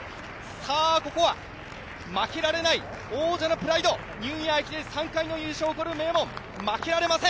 ここは負けられない王者のプライドニューイヤー駅伝、３回の優勝を誇る名門、負けられません。